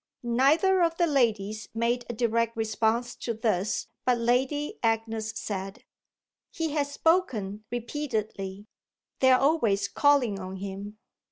Neither of the ladies made a direct response to this, but Lady Agnes said: "He has spoken repeatedly. They're always calling on him."